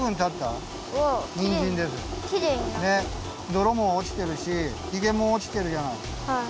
どろもおちてるしヒゲもおちてるじゃない。